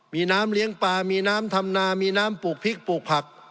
มีน้ำเลี้ยงปลามีน้ำทำนามีน้ำปลูกพริกปลูกผัก